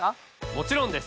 もちろんです！